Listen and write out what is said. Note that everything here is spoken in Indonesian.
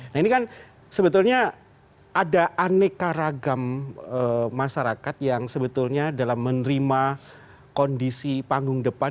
nah ini kan sebetulnya ada aneka ragam masyarakat yang sebetulnya dalam menerima kondisi panggung depan